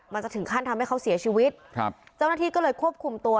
มันจะถึงขั้นทำให้เขาเสียชีวิตครับเจ้าหน้าที่ก็เลยควบคุมตัว